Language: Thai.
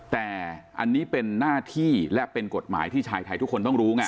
แต่อันนี้เป็นหน้าที่และเป็นกฎหมายที่ชายไทยทุกคนต้องรู้ไง